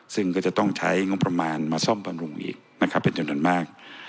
ซึ่งก็จะต้องใช้งบประมาณมาซ่อมบำรุงอีกนะครับเป็นจำนวนมาก